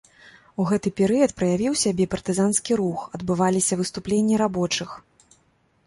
У гэты перыяд праявіў сябе партызанскі рух, адбываліся выступленні рабочых.